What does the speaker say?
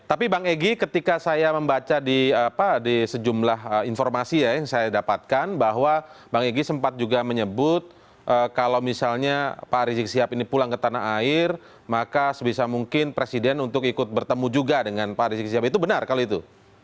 tapi bang egy ketika saya membaca di sejumlah informasi ya yang saya dapatkan bahwa bang egy sempat juga menyebut kalau misalnya pak rizik sihab ini pulang ke tanah air maka sebisa mungkin presiden untuk ikut bertemu juga dengan pak rizik sihab itu benar kalau itu